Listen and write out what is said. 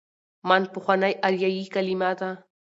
من: پخوانۍ آریايي کليمه ده.